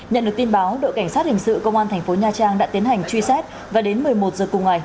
nhận được tin báo đội cảnh sát hình sự công an thành phố nha trang đã tiến hành truy xét và đến một mươi một giờ cùng ngày